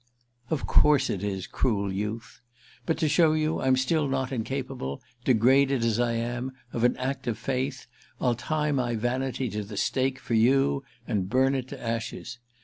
"Of course it is, cruel youth. But to show you I'm still not incapable, degraded as I am, of an act of faith, I'll tie my vanity to the stake for you and burn it to ashes.